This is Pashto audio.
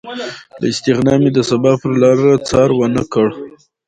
له استغنا مې د سبا پرلاره څار ونه کړ